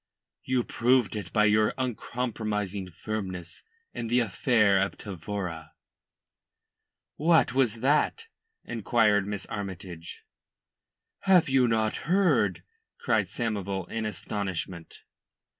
"You proved it by your uncompromising firmness in the affair of Tavora." "What was that?" inquired Miss Armytage. "Have you not heard?" cried Samoval in astonishment.